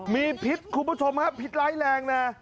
มีพิษคุณผู้ชมฮะพิษร้ายแรงนะ